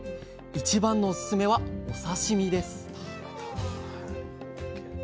一番のオススメはお刺身です！